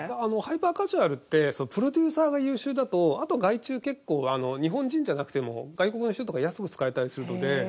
ハイパーカジュアルってプロデューサーが優秀だとあとは外注結構日本人じゃなくても外国の人とか安く使えたりするので。